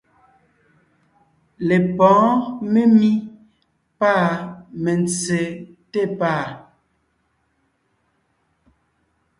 Lepɔ̌ɔn memí pâ mentse té pàa.